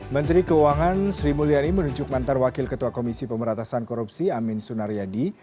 menteri keuangan sri mulyani menunjuk mantan wakil ketua komisi pemeratasan korupsi amin sunaryadi